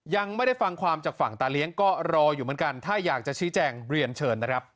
ยังไม่ได้ฟังความจากฝั่งตาเลี้ยงก็รออยู่เหมือนกันถ้าอยากจะชี้แจงเรียนเชิญนะครับ